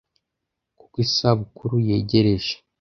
Kuko Isabukuru yegereje,